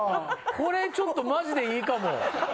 これちょっとマジでいいかも。